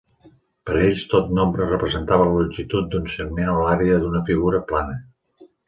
Per ells, tot nombre representava la longitud d'un segment o l'àrea d'una figura plana.